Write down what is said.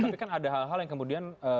tapi kan ada hal hal yang kemudian